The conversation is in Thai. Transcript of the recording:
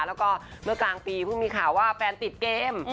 แล้วก็เมื่อกลางปีเพิ่งมีข่าวว่าแฟนติดเกม